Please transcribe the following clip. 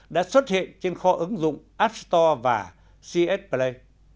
đã xuất hiện trên kho ứng dụng app store và cs play